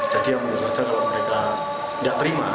jadi yang menurut saya kalau mereka tidak terima